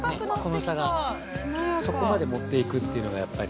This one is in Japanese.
◆そこまで持っていくというのがやっぱり。